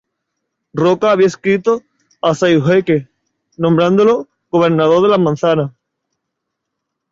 Roca había escrito a Sayhueque, nombrándolo "Gobernador de las Manzanas".